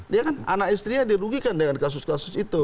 dia kan anak istrinya dirugikan dengan kasus kasus itu